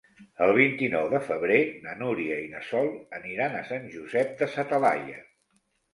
El vint-i-nou de febrer na Núria i na Sol aniran a Sant Josep de sa Talaia.